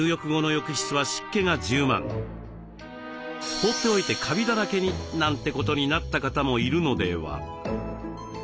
放っておいてカビだらけになんてことになった方もいるのでは？